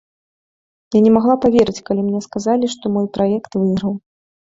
Я не магла паверыць, калі мне сказалі, што мой праект выйграў.